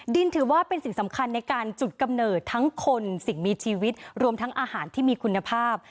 ถือว่าเป็นสิ่งสำคัญในการจุดกำเนิดทั้งคนสิ่งมีชีวิตรวมทั้งอาหารที่มีคุณภาพ